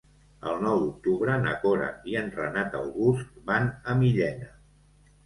El nou d'octubre na Cora i en Renat August van a Millena.